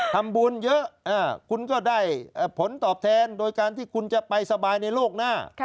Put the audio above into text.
ทำบุญเยอะคุณก็ได้ผลตอบแทนโดยการที่คุณจะไปสบายในโลกหน้า